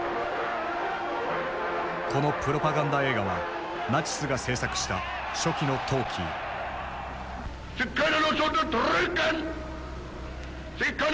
このプロパガンダ映画はナチスが製作した初期のトーキー。